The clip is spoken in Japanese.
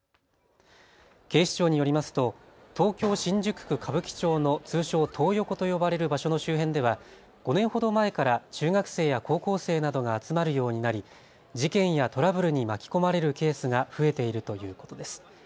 警視庁によりますと東京新宿区歌舞伎町の通称トー横と呼ばれる場所の周辺では５年ほど前から中学生や高校生などが集まるようになり事件やトラブルに巻き込まれるケースが増えているということです。